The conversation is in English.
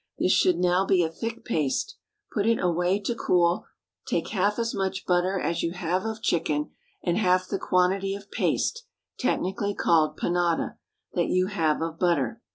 This should now be a thick paste; put it away to cool. Take half as much butter as you have of chicken, and half the quantity of paste (technically called panada) that you have of butter.